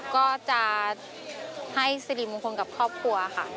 ก็จะให้สิริมงคลกับครอบครัวค่ะ